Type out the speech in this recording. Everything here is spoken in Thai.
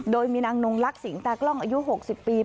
โดยมีนางนงลักษิงตากล้องอายุ๖๐ปี